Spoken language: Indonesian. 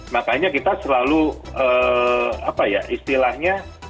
makanya kita selalu apa ya istilahnya